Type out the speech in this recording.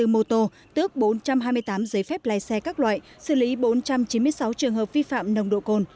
một trăm ba mươi bốn mô tô tước bốn trăm hai mươi tám giấy phép lai xe các loại xử lý bốn trăm chín mươi sáu trường hợp vi phạm nồng độ cồn